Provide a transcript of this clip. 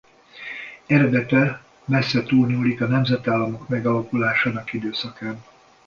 Eredete messze túlnyúlik a nemzetállamok megalakulásának időszakán.